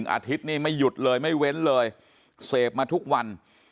อาทิตย์นี่ไม่หยุดเลยไม่เว้นเลยเสพมาทุกวัน